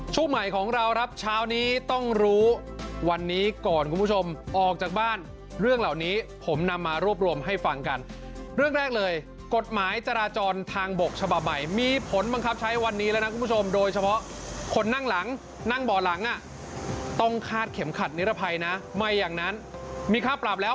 ช่วงใหม่ของเราครับเช้านี้ต้องรู้วันนี้ก่อนคุณผู้ชมออกจากบ้านเรื่องเหล่านี้ผมนำมารวบรวมให้ฟังกันเรื่องแรกเลยกฎหมายจราจรทางบกฉบับใหม่มีผลบังคับใช้วันนี้แล้วนะคุณผู้ชมโดยเฉพาะคนนั่งหลังนั่งบ่อหลังอ่ะต้องคาดเข็มขัดนิรภัยนะไม่อย่างนั้นมีค่าปรับแล้ว